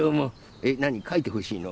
えっなにかいてほしいの？